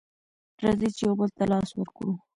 راځئ چې يو بل ته لاس ورکړو